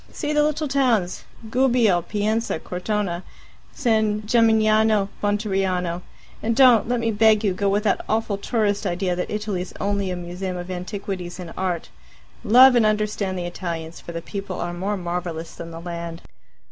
See the little towns Gubbio, Pienza, Cortona, San Gemignano, Monteriano. And don't, let me beg you, go with that awful tourist idea that Italy's only a museum of antiquities and art. Love and understand the Italians, for the people are more marvellous than the land."